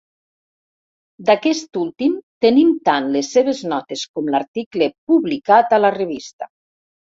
D'aquest últim, tenim tant les seves notes com l'article publicat a la revista.